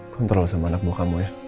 kontrol sama anakmu kamu ya